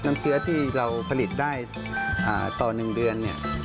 น้ำเชื้อที่เราผลิตได้ต่อ๑เดือนเนี่ย